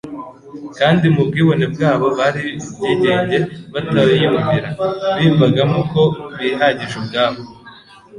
kandi mu bwibone bwabo bari ibyigenge batayumvira. Biyumvagamo ko bihagije ubwabo